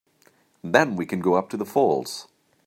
Then we can go up to the falls.